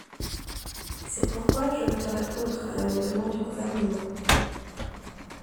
C’est pourquoi je voterai contre l’amendement du Gouvernement.